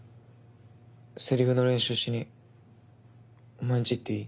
セリフの練習しにお前ん家行っていい？